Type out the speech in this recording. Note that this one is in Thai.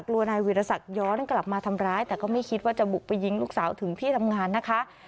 นายวิรสักย้อนกลับมาทำร้ายแต่ก็ไม่คิดว่าจะบุกไปยิงลูกสาวถึงที่ทำงานนะคะ